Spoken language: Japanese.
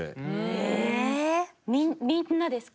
えみんなですか？